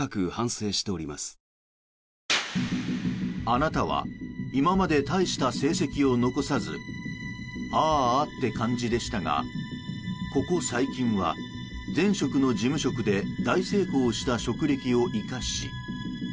あなたは今まで大した成績を残さずあーあって感じでしたがここ細菌は前職の事務職で大成功した職歴を生かし。